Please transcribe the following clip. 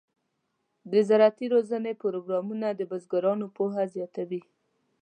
د زراعتي روزنې پروګرامونه د بزګرانو پوهه زیاتوي.